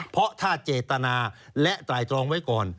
เพราะถ้าเจตนาและไตรตรองไว้ก่อน